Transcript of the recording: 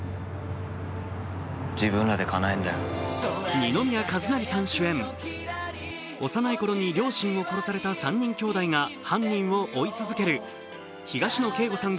二宮和也さん主演幼いころに両親を殺された３人が犯人を追い続ける、東野圭吾さん